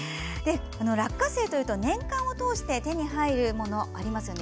落花生というと年間を通して手に入るもの、ありますよね。